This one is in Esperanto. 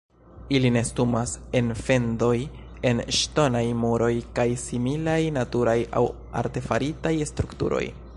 Ili nestumas en fendoj en ŝtonaj muroj kaj similaj naturaj aŭ artefaritaj strukturoj.